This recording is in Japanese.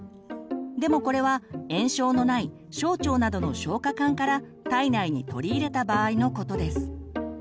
でもこれは炎症のない小腸などの消化管から体内に取り入れた場合のことです。